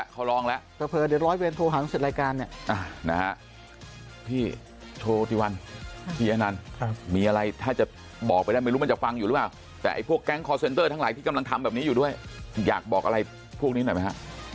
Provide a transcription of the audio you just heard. ครับมีอะไรถ้าจะบอกไปแล้วไม่รู้มันจะฟังอยู่หรือเปล่าแต่ไอ้พวกแก๊งทั้งหลายที่กำลังทำแบบนี้อยู่ด้วยอยากบอกอะไรพวกนี้หน่อยไหมฮะ